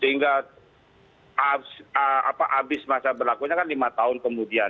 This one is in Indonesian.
sehingga habis masa berlakunya kan lima tahun kemudian